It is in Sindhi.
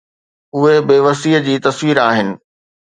اهي بيوسيءَ جي تصوير آهن.